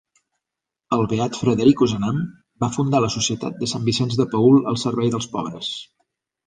El beat Frederic Ozanam va fundar la Societat de St. Vicenç de Paül al servei dels pobres.